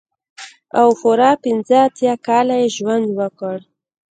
او پوره پنځه اتيا کاله يې ژوند وکړ.